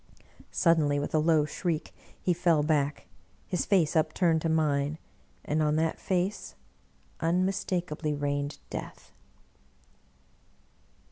Suddenly, with a low shriek, he fell back, his face upturned to mine, and on that face unmistakably reigned Death.